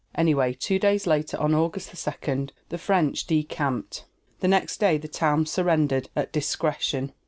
Anyway, two days later, on August 2, the French decamped. The next day the town surrendered at discretion.